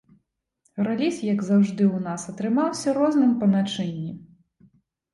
Рэліз, як заўжды ў нас, атрымаўся розным па начынні.